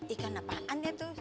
ikan apaan ya tuh